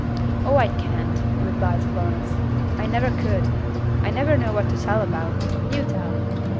"Oh, I can't," replied Florence. "I never could. I never know what to tell about. You tell."